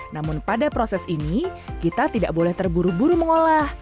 namun pada proses ini kita tidak boleh terburu buru mengolah